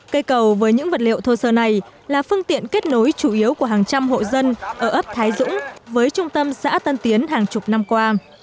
cây cầu với những vật liệu thô sơ này là phương tiện kết nối chủ yếu của hàng trăm hộ dân ở ấp thái dũng với trung tâm xã tân tiến hàng chục năm qua